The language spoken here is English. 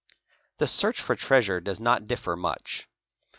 The search for treasure * Joes not differ much.